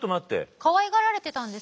かわいがられてたんですか？